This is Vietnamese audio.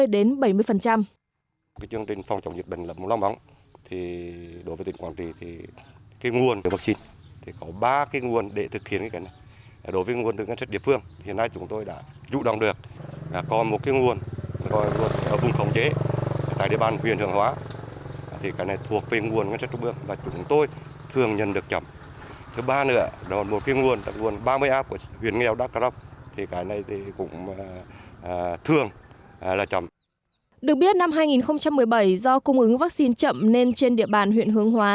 được biết năm hai nghìn một mươi bảy do cung ứng vaccine chậm nên trên địa bàn huyện hương hóa